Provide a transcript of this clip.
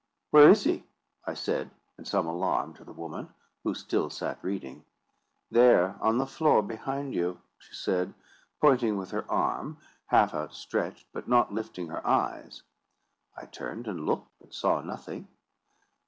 "Where is he?" I said, in some alarm, to the woman, who still sat reading. "There, on the floor, behind you," she said, pointing with her arm half outstretched, but not lifting her eyes. I turned and looked, but saw nothing.